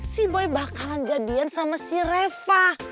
si boy bakalan jadian sama si reva